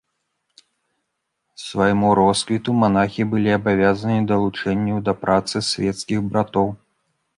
Свайму росквіту манахі былі абавязаны далучэнню да працы свецкіх братоў.